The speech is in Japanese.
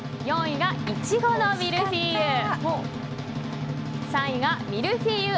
４位が苺のミルフィーユ。